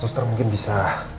suster mungkin bisa